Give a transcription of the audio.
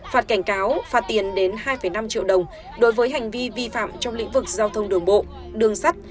phạt cảnh cáo phạt tiền đến hai năm triệu đồng đối với hành vi vi phạm trong lĩnh vực giao thông đường bộ đường sắt